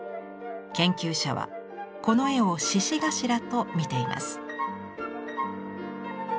研究者はこの絵を「シシガシラ」と見ています。